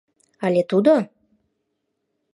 Але тудо?